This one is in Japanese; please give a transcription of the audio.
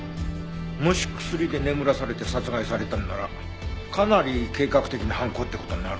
もし薬で眠らされて殺害されたのならかなり計画的な犯行って事になるね。